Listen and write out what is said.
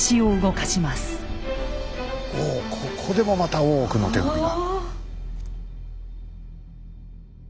おここでもまた大奧の手紙が。